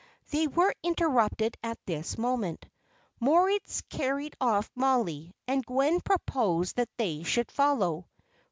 They were interrupted at this moment. Moritz carried off Mollie, and Gwen proposed that they should follow.